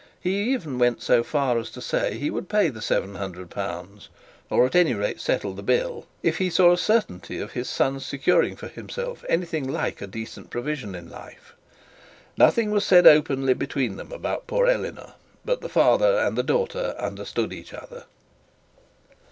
He even went so far as to say he would pay the L 700, or at any rate settle the bill, if he saw a certainty of his son's securing for himself anything like a decent provision in life. Nothing was said openly between them about poor Eleanor: but the father and the daughter understood each other.